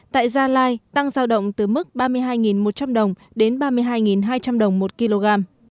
tại gia lai tăng giao động từ mức ba mươi hai một trăm linh đồng đến ba mươi hai hai trăm linh đồng một kg